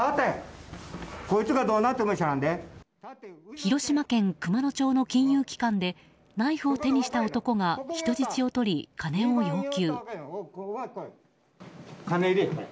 広島県熊野町の金融機関でナイフを手にした男が人質を取り、金を要求。